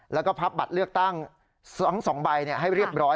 แล้วก็พับบัตรเลือกตั้ง๒ใบให้เรียบร้อย